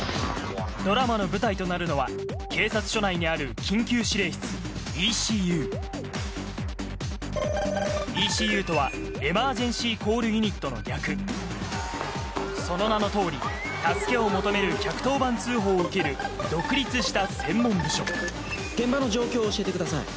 ドラマの舞台となるのは警察署内にある緊急指令室ＥＣＵＥＣＵとはＥｍｅｒｇｅｎｃｙＣａｌｌＵｎｉｔの略その名の通り助けを求める１１０番通報を受ける独立した専門部署現場の状況を教えてください。